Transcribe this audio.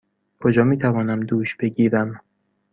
کجا می توانم دوش بگیرم؟